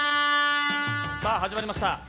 さぁ、始まりました。